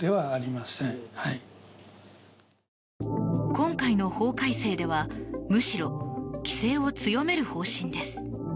今回の法改正ではむしろ規制を強める方針です。